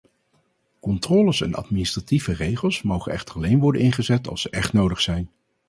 Controles en administratieve regels mogen echter alleen worden ingezet als ze echt nodig zijn.